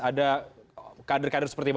ada kader kader seperti apa